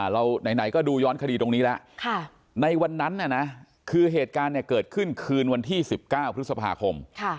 ไหนก็ดูย้อนคดีตรงนี้แล้วในวันนั้นคือเหตุการณ์เกิดขึ้นคืนวันที่๑๙พฤษภาคม